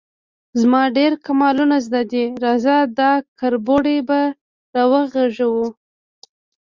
_زما ډېر کمالونه زده دي، راځه، دا کربوړی به راوغږوم.